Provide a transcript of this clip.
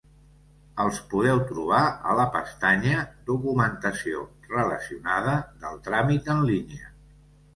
Els podeu trobar a la pestanya "Documentació relacionada" del tràmit en línia.